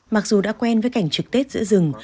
mặc dù đã quen với cảnh trực tết giữa rừng